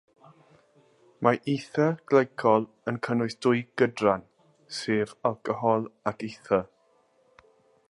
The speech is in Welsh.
Mae ether glycol yn cynnwys dwy gydran, sef alcohol ac ether.